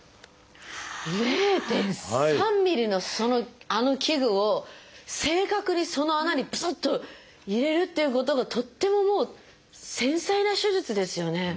０．３ｍｍのあの器具を正確にその穴にプスッと入れるっていうことがとってももう繊細な手術ですよね。